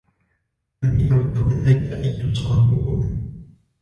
لم يعد هناك أي صابون.